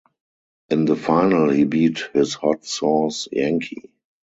In the final he beat his Hot Sauce Yankee.